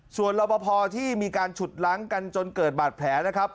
ส่วนรอบพอที่มีการฉุดล้างกันจนเกิดบาดแผลนะครับ